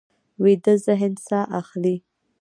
ویده ذهن ساه اخلي